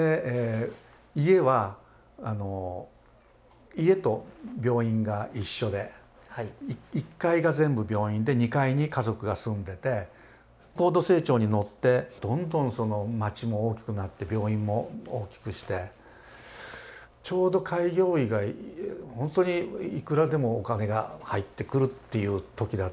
家は家と病院が一緒で１階が全部病院で２階に家族が住んでて高度成長に乗ってどんどん町も大きくなって病院も大きくしてちょうど開業医がほんとにいくらでもお金が入ってくるっていう時だったですね。